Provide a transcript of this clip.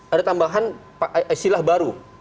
ada tambahan silah baru